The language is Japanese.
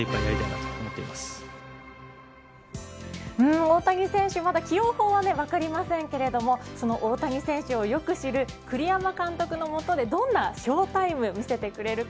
大谷選手、まだ起用法は分かりませんけれど大谷選手をよく知る栗山監督の下でどんなショータイム見せてくれるのか。